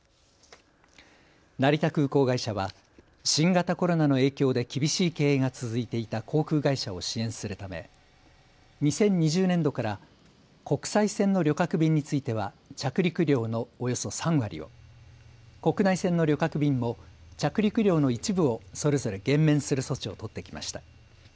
成田空港会社は新型コロナの影響で厳しい経営が続いていた航空会社を支援するため２０２０年度から国際線の旅客便については着陸料のおよそ３割を、国内線の旅客便も着陸料の一部をそれぞれ減免する措置を取ってきました。